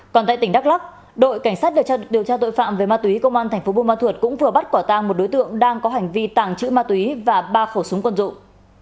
còn tại tỉnh đắk lắc đội cảnh sát được điều tra tội phạm về ma túy công an tp bun ma thuật cũng vừa bắt quả tàng một đối tượng đang có hành vi tàng trữ ma túy và ba khẩu súng quân dụng